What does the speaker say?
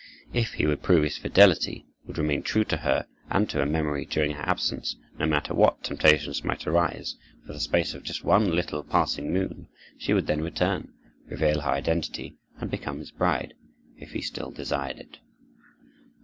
If he would prove his fidelity, would remain true to her and her memory during her absence, no matter what temptations might arise, for the space of just one little passing moon, she would then return, reveal her identity, and become his bride, if he still desired it.